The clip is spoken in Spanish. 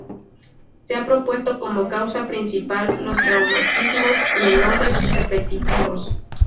Se ha propuesto como causa principal los traumatismos menores repetitivos.